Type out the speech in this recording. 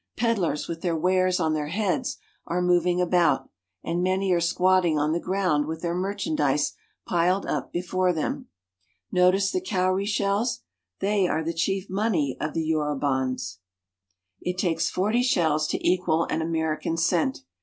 Peddlers with their wares on their heads are moving about, and many are squatting on the ground with their merchandise piled up before them. Notice the cowrie shells. They are the chief money of the Yorubans. It THE YORUBANS — SOUTl ItikN LliSKI tl 217 lakes forty shells to equal an American cent.